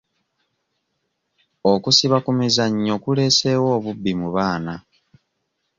Okusiba ku mizannyo kuleeseewo obubbi mu baana.